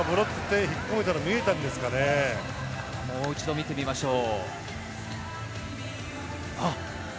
もう一度見てみましょう。